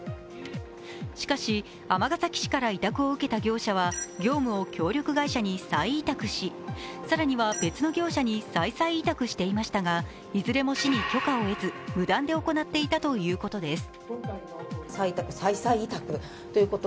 しかし、尼崎市から委託を受けた業者は業務を協力会社に再委託し、更には別の業者に再々委託していましたが、いずれも市に許可を得ず無断で行っていたということです。